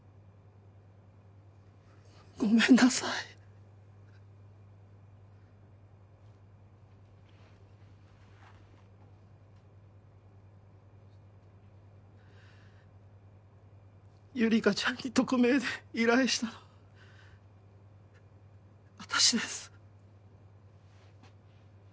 ごめんなさいゆりかちゃんに匿名で依頼したの私です